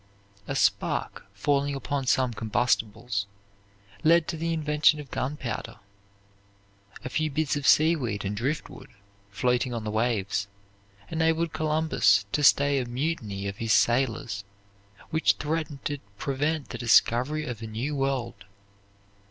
A spark falling upon some combustibles led to the invention of gunpowder. A few bits of seaweed and driftwood, floating on the waves, enabled Columbus to stay a mutiny of his sailors which threatened to prevent the discovery of a new world.